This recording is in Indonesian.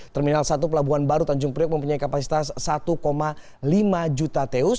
terminal satu pelabuhan baru tanjung priok mempunyai kapasitas satu lima juta teus